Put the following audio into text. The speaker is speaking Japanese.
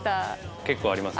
結構ありますよ。